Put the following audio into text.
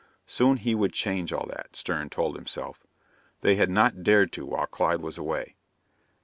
Soon he would change all that, Stern told himself. They had not dared to while Clyde was away.